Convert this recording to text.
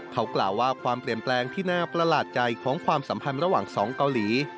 เขากล่าวว่าความเปลี่ยนแปลงที่น่าประหลาดใจของความสัมพันธ์ระหว่างสองเกาหลี